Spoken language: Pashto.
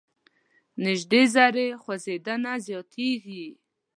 نژدې ذرې خوځیدنه زیاتیږي.